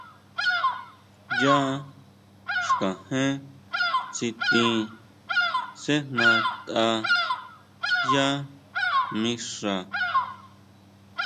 Yá xkajén tsitin sejnatʼa yá mixa.